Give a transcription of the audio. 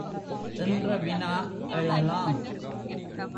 என்ற வினா எழலாம்.